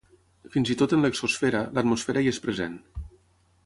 Fins i tot en l'exosfera, l'atmosfera hi és present.